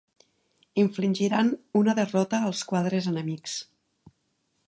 Infligiran una derrota als quadres enemics.